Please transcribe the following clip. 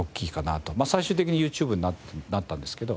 まあ最終的にＹｏｕＴｕｂｅになったんですけど。